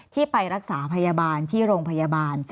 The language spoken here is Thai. ที่ไปรักษาพยาบาลที่โรงพยาบาล